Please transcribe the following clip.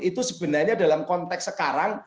itu sebenarnya dalam konteks sekarang